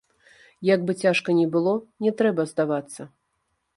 Як бы цяжка ні было, не трэба здавацца.